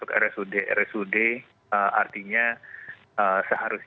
tapi jadi sudah ada tempat